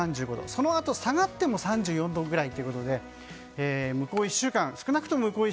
そのあと下がっても３４度くらいということで少なくとも向こう